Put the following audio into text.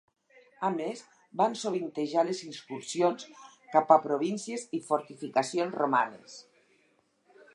A més, van sovintejar les incursions cap a províncies i fortificacions romanes.